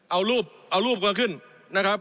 เอารูปเอารูปก็ขึ้นนะครับ